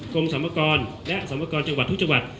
กรมสรรพากรและสรรพากรจังหวัดทุกจังหวัด